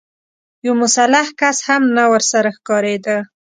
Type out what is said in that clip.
يو مسلح کس هم نه ورسره ښکارېده.